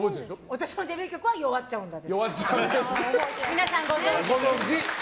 私のデビュー曲はよわっちゃうなです。